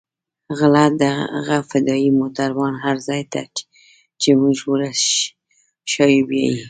غله دغه فدايي موټران هر ځاى ته چې موږ وروښيو بيايي.